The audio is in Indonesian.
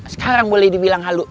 sekarang boleh dibilang halu